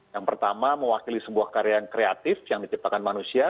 yang pertama mewakili sebuah karya yang kreatif yang diciptakan manusia